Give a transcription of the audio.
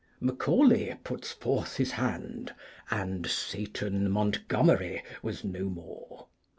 Macaulay puts forth his hand, and 'Satan Montgomery' was no more.